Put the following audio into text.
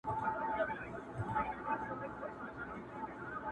رقیبه اوس دي په محفل کي سترګي سرې ګرځوه٫